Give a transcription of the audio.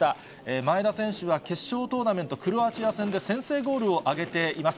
前田選手は決勝トーナメントクロアチア戦で先制ゴールを挙げています。